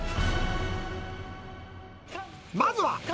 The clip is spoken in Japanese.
まずは。